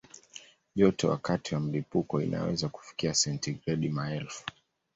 Joto wakati wa mlipuko inaweza kufikia sentigredi maelfu.